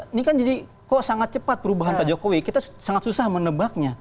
ini kan jadi kok sangat cepat perubahan pak jokowi kita sangat susah menebaknya